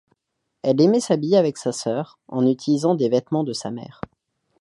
Elle aimait s'habiller avec sa sœur, en utilisant des vêtements de sa mère.